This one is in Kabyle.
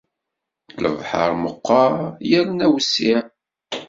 Lebḥer meqqer yerna wessiɛ.